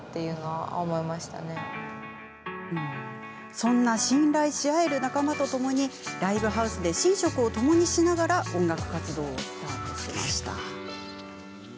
そんな信頼し合える仲間とともにライブハウスで寝食をともにしながら音楽活動をスタートしました。